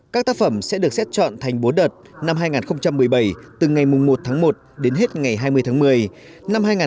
các tác phẩm sẽ được xét chọn thành bốn đợt năm hai nghìn một mươi bảy từ ngày một tháng một đến hết ngày hai mươi tháng một mươi